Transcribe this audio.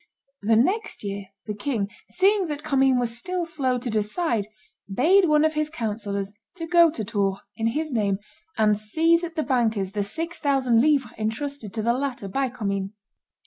The next year, the king, seeing that Commynes was still slow to decide, bade one of his councillors to go to Tours, in his name, and seize at the banker's the six thousand livres intrusted to the latter by Commynes.